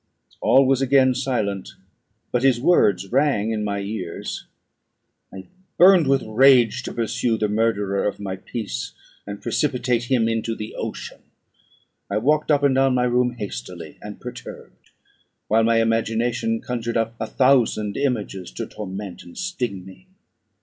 All was again silent; but his words rung in my ears. I burned with rage to pursue the murderer of my peace, and precipitate him into the ocean. I walked up and down my room hastily and perturbed, while my imagination conjured up a thousand images to torment and sting me.